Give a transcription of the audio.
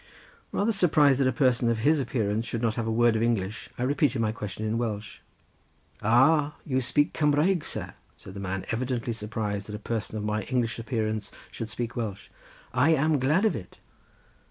Rather surprised that a person of his appearance should not have a word of English I repeated my question in Welsh. "Ah, you speak Cumraeg, sir," said the man, evidently surprised that a person of my English appearance should speak Welsh. "I am glad of it!